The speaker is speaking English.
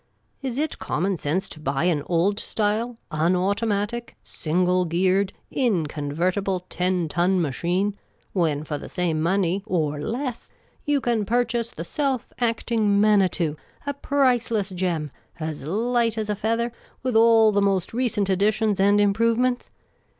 Is it common sense to buy an old style, unautomatic, single geared, incon vertible ten ton machine, when for the same money or less you can purchase the self acting Manitou, a priceless gem, as light as a feather, with all the most recent additions and improvements